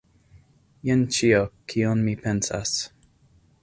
Jen ĉio, kion mi pensas.